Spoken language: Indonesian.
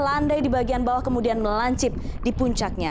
landai di bagian bawah kemudian melancip di puncaknya